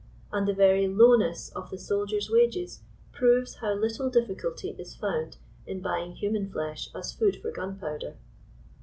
And the very lowness of the soldier's wages proves how little difBculty is found in buying human flesh as food for gunpowder.